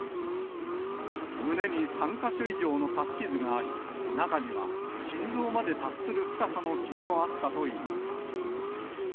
胸に３か所以上の刺し傷があり、中には心臓まで達する深さの傷もあったといいます。